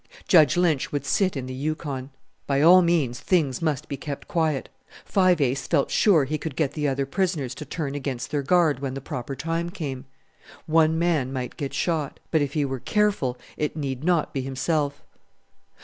Judge Lynch would sit in the Yukon. By all means things must be kept quiet. Five Ace felt sure he could get the other prisoners to turn against their guard when the proper time came. One man might get shot; but if he were careful it need not be himself.